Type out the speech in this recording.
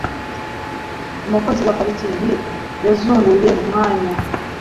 Umukozi wa parikingi yazunguye mu mwanya.